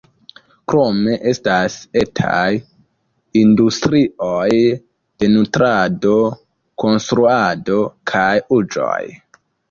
Krome estas etaj industrioj de nutrado, konstruado kaj ujoj.